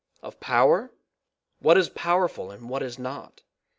Of power? What is powerful and what is not?